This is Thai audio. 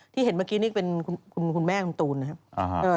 เห็นเมื่อกี้นี่เป็นคุณแม่คุณตูนนะครับ